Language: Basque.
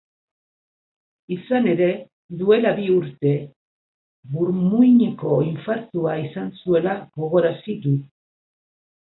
Izan ere, duela bi urte burmuineko infartua izan zuela gogorarazi du.